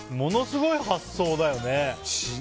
ものすごい発想だよね。